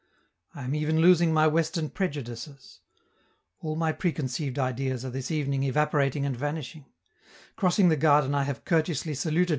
I am even losing my Western prejudices; all my preconceived ideas are this evening evaporating and vanishing; crossing the garden I have courteously saluted M.